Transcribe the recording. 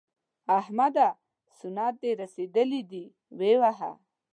احمده! سنت دې رسېدلي دي؛ ویې وهه.